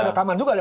ada rekaman juga